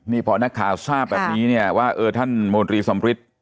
นี่พอนักคาทราบแบบนี้เนี่ยว่าเออท่านมสมฤทธิ์